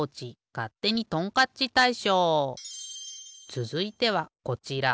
つづいてはこちら。